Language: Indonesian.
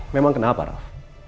memang kenapa ralf